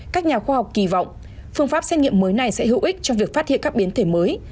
các nhà khoa học kỳ vọng phương pháp xét nghiệm mới này sẽ hữu ích trong việc phát hiện các biến thể mới